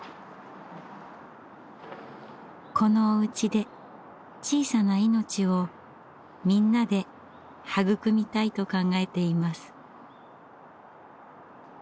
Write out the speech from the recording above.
このおうちで小さな命をみんなで育みたいと考えています。